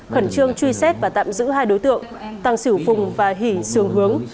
khẩn trương truy xét và tạm giữ hai đối tượng tăng sửu phùng và hỷ sường hướng